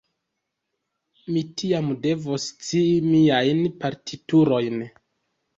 Mi tiam devos scii miajn partiturojn.